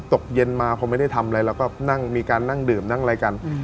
ตกเย็นมาพอไม่ได้ทำอะไรเราก็นั่งมีการนั่งดื่มนั่งอะไรกัน